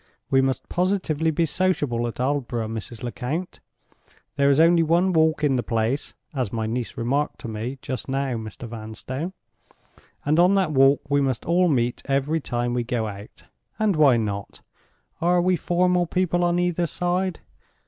We must positively be sociable at Aldborough, Mrs. Lecount. There is only one walk in the place (as my niece remarked to me just now, Mr. Vanstone); and on that walk we must all meet every time we go out. And why not? Are we formal people on either side?